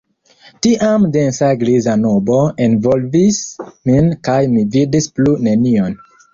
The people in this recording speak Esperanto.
Tiam densa griza nubo envolvis min kaj mi vidis plu nenion.